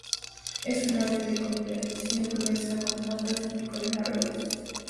Es un ave de complexión gruesa, con patas y pico largos.